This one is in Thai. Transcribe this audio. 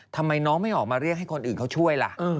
ทำไมน้องไม่ออกมาเรียกให้คนอื่นเขาช่วยล่ะ